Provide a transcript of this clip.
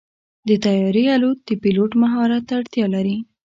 د طیارې الوت د پيلوټ مهارت ته اړتیا لري.